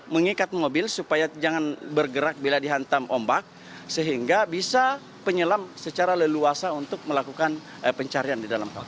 mengikat mobil supaya jangan bergerak bila dihantam ombak sehingga bisa penyelam secara leluasa untuk melakukan pencarian di dalam kapal